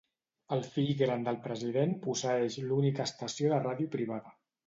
El fill gran del president posseeix l'única estació de ràdio privada.